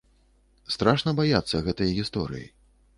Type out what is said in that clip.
Страшна баяцца гэтай гісторыі.